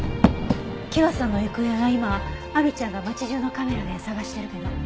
希和さんの行方は今亜美ちゃんが街中のカメラで捜してるけど。